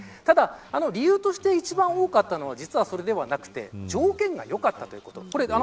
ただ理由として一番多かったのは実はそれではなくて条件がよかったということ。